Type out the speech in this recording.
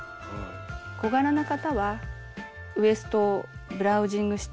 小柄な方はウエストをブラウジングして着てもいいし。